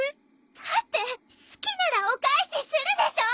だって好きならお返しするでしょ！？